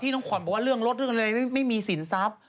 น้องขวัญบอกว่าเรื่องรถเรื่องอะไรไม่มีสินทรัพย์